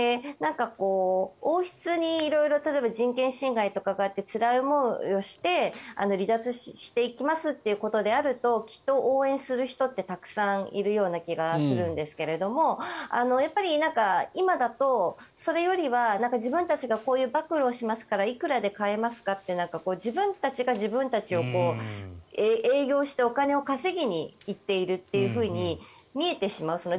王室に色々例えば人権侵害とかがあってつらい思いをして離脱していきますということであると応援する人ってたくさんいる気がするんですけどやっぱり今だとそれよりは自分たちがこういう暴露をしますからいくらで買えますかって自分たちが自分たちを営業してお金を稼ぎに行っているというふうに見えてしまいますよね。